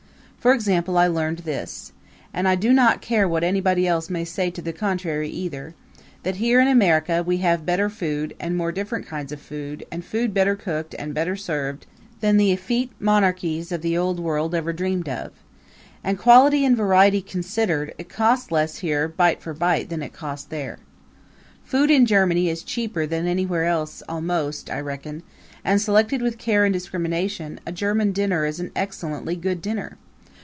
For example I learned this and I do not care what anybody else may say to the contrary either that here in America we have better food and more different kinds of food, and food better cooked and better served than the effete monarchies of the Old World ever dreamed of. And, quality and variety considered, it costs less here, bite for bite, than it costs there. Food in Germany is cheaper than anywhere else almost, I reckon; and, selected with care and discrimination, a German dinner is an excellently good dinner.